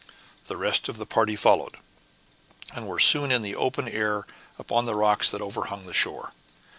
The rest of the party followed, and were soon in the open air upon the rocks that overhung the shore.